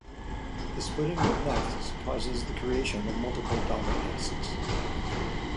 This splitting of nests causes the creation of multiple daughter nests.